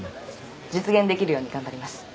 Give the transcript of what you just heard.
実現できるように頑張ります。